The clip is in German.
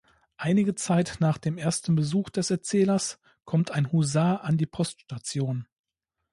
Einige Zeit nach dem ersten Besuch des Erzählers kommt ein Husar an die Poststation.